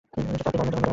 আপনি যাবেন না।